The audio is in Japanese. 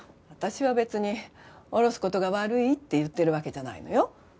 私は別におろす事が悪いって言ってるわけじゃないのよ。